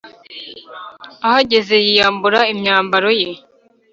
Ahageze yiyambura imyambaro ye